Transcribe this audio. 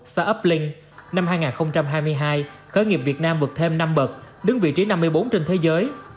start uplink năm hai nghìn hai mươi hai khởi nghiệp việt nam vượt thêm năm bậc đứng vị trí năm mươi bốn trên thế giới